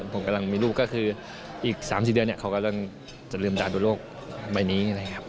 ผมกำลังมีลูกก็คืออีก๓๔เดือนเขากำลังจะลืมตาดูโรคใบนี้นะครับ